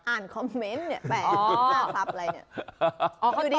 อ่านคอมเมนต์เนี่ยแบบรับอะไรอย่างนี้